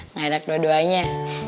nggak enak dua duanya